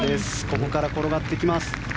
ここから転がっていきます。